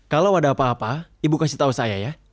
kalau ada apa apa ibu kasih tau saya ya